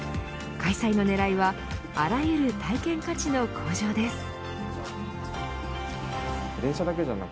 開催のねらいはあらゆる体験価値の向上です。